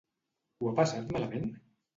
Ho ha passat malament?